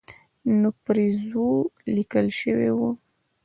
نو پرې ځو لیکل شوي وو.